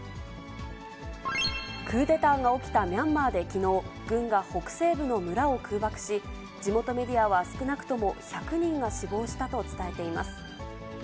クーデターが起きたミャンマーできのう、軍が北西部の村を空爆し、地元メディアは少なくとも１００人が死亡したと伝えています。